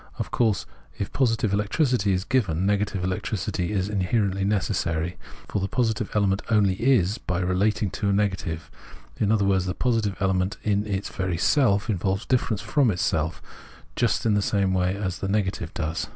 Of course, if positive electricity is given, negative electricity is inherently necessary ; for the positive element only is by being related to a negative ; in other words, the positive element in its very self involves difference from itself, just in the same way as the negative does.